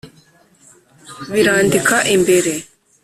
birandika imbere